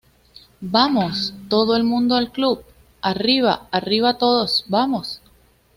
¡ vamos! ¡ todo el mundo al club! ¡ arriba, arriba todos, vamos!